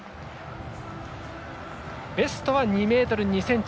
ベストは２ｍ２ｃｍ。